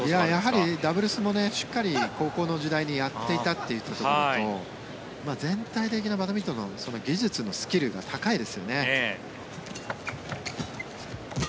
ダブルスもしっかり高校時代にやっていたということと全体的なバドミントンの技術のスキルが高いんですよね。